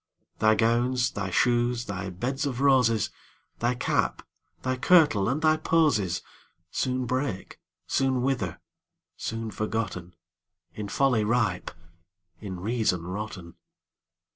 Thy gowns, thy shoes, thy beds of roses, Thy cap, thy kirtle, and thy posies, Soon break, soon wither—soon forgotten, In folly ripe, in reason rotten.